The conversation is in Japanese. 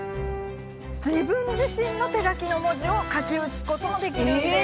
自分自身の手書きの文字を書き写すこともできるんです。